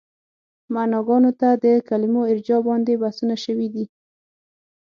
معناګانو ته د کلمو ارجاع باندې بحثونه شوي دي.